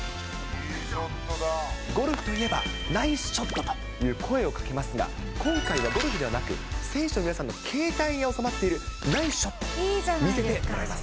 ゴルフといえばナイスショットという声をかけますが、今回はゴルフではなく、選手の皆さんの携帯に収まっているナイスショット、見せてもらいます。